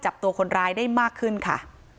ฝ่ายได้มากขึ้นค่ะ